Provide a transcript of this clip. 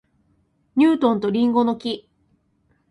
ニュートンと林檎の木